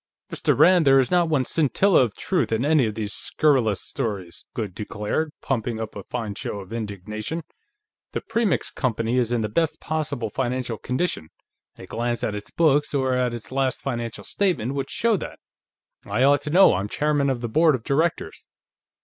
"Mr. Rand, there is not one scintilla of truth in any of these scurrilous stories!" Goode declared, pumping up a fine show of indignation. "The Premix Company is in the best possible financial condition; a glance at its books, or at its last financial statement, would show that. I ought to know, I'm chairman of the board of directors.